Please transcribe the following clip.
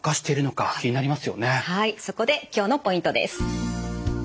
はいそこで今日のポイントです。